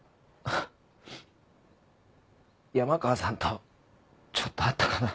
山川さんとちょっとあったかな。